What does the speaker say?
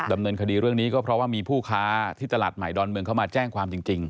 ดำเนินคดีเรื่องนี้ก็เพราะว่ามีผู้ค้าที่ตลาดใหม่ดอนเมืองเข้ามาแจ้งความจริง